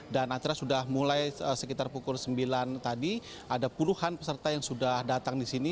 dan acara sudah mulai sekitar pukul sembilan tadi ada puluhan peserta yang sudah datang di sini